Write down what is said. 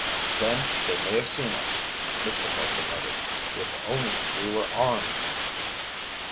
"Then they may have seen us," Mr. Parker muttered. "If only we were armed!"